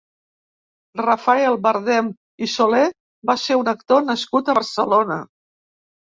Rafael Bardem i Solé va ser un actor nascut a Barcelona.